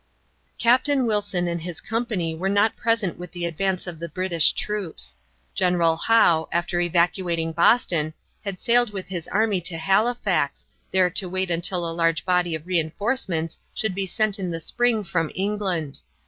Captain Wilson and his company were not present with the advance of the British troops. General Howe, after evacuating Boston, had sailed with his army to Halifax, there to wait until a large body of re enforcements should be sent in the spring from England.